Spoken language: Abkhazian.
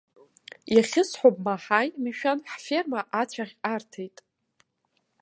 Иахьысҳәо бмаҳаи, мшәан, ҳферма ацәаӷь арҭеит.